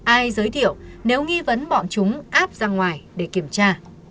ai giới thiệu nếu nghi vấn bọn chúng áp ra ngoài để kiểm tra